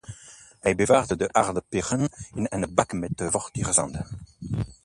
Hij bewaarde de aardperen in een bak met vochtig zand.